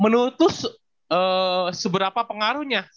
menurut lo seberapa pengaruhnya